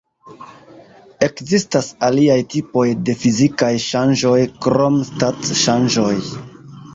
Ekzistas aliaj tipoj de fizikaj ŝanĝoj krom stat-ŝanĝoj.